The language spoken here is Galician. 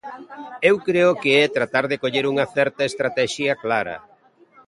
Eu creo que é tratar de coller unha certa estratexia clara.